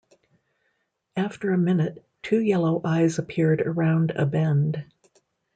After a minute two yellow eyes appeared around a bend.